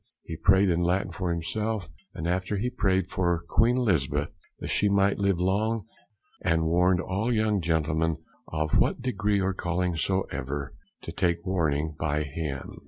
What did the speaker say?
He prayed in Latin for himself, and after he prayed for Queen Elizabeth, that she might live long; and warned all young gentlemen, of what degree or calling soever, to take warning by him.